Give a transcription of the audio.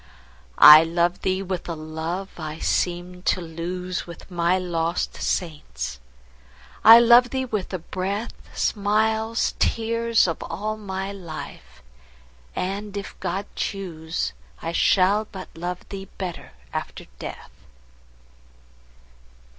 I love thee with a love I seemed to lose With my lost saints,—I love thee with the breath, Smiles, tears, of all my life!—and, if God choose, I shall but love thee better after death.